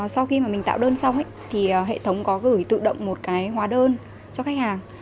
sau khi mình tạo đơn xong hệ thống có gửi tự động một hóa đơn cho khách hàng